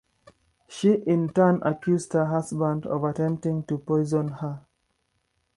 She in turn accused her husband of attempting to poison her.